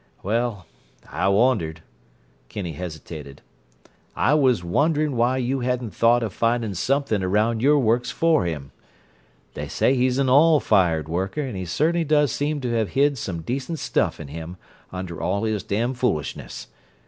"Well—I wondered—" Kinney hesitated. "I was wondering why you hadn't thought of finding something around your works for him. They say he's an all fired worker and he certainly does seem to have hid some decent stuff in him under all his damfoolishness.